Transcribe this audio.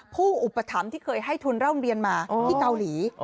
ผู้อุปถัมภ์ที่เคยให้ทุนร่ำเรียนมาที่เกาหลี